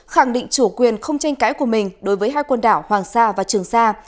khẳng định chủ quyền không tranh cãi của mình đối với hai quần đảo hoàng sa và trường sa